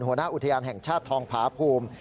หัวหน้าอุทยานแห่งชาติทองผาภูมิ